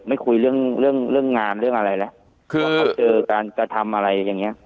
ไม่คุยเรื่องงานอะไรหนึ่งแต่เกิดจะทำอะไรอย่างนี้